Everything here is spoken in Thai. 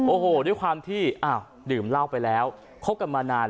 โอ้โหด้วยความที่อ้าวดื่มเหล้าไปแล้วคบกันมานาน